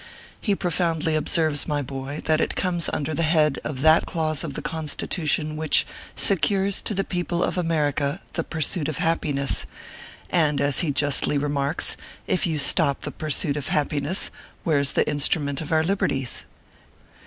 He profoundly observes, my boy, that it comes under the head of that clause of the Constitution which secures to the people of America the "pursuit of hap piness ;" and, as he justly remarks, if you stop the " pursuit of happiness/ where s the Instrument of our Liberties